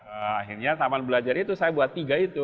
akhirnya taman belajar itu saya buat tiga itu